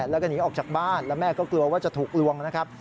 แล้วก็หนีออกจากบ้านแล้วแม่ก็กลัวว่าจะถูกลวงนะครับ